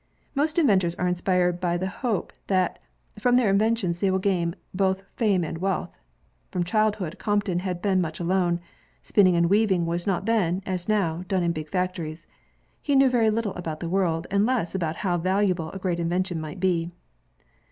Most inventors are inspired by the hope that from their inventions they will gain both fame and wealth. From childhood, Crompton had been much alone. Spinning and weaving was not then, as now, done in big factories. He knew very little about the world, and less about how valuable a great invention might be.